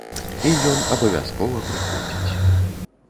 І ён абавязкова прыходзіць.